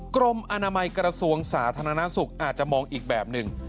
กรมอนามัยกระทรวงสาธารณสุขอาจจะมองอีกแบบหนึ่ง